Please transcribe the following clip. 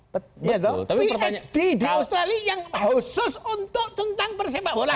psd di australia yang khusus untuk tentang persepak bola